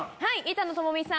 板野友美さん